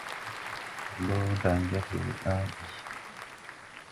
Blo day ga se wo ɗaa bii.